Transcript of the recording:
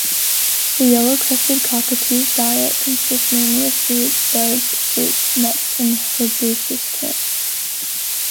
The yellow-crested cockatoo's diet consists mainly of seeds, buds, fruits, nuts and herbaceous plants.